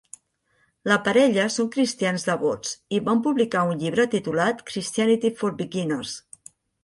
La parella són cristians devots i van publicar un llibre titulat "Christianity for Beginners".